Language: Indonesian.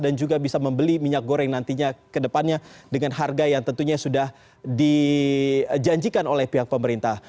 dan juga bisa membeli minyak goreng nantinya kedepannya dengan harga yang tentunya sudah dijanjikan oleh pihak pemerintah